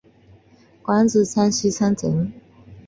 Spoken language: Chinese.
官至山西参政。